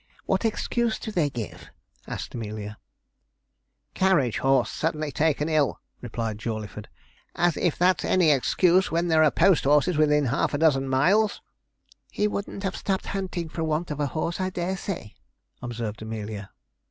'What excuse do they give?' asked Amelia. 'Carriage horse taken suddenly ill,' replied Jawleyford; 'as if that's any excuse when there are post horses within half a dozen miles.' 'He wouldn't have been stopped hunting for want of a horse, I dare say,' observed Amelia.